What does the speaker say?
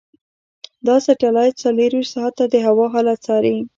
دا سټلایټ څلورویشت ساعته د هوا حالت څاري.